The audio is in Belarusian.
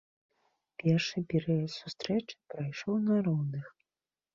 Першы перыяд сустрэчы прайшоў на роўных.